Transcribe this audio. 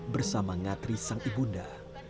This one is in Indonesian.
bersama ngatri sang ibunda